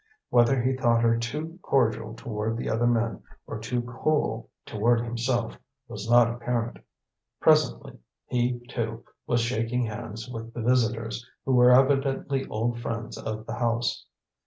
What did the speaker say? Whether he thought her too cordial toward the other men or too cool toward himself, was not apparent. Presently he, too, was shaking hands with the visitors, who were evidently old friends of the house.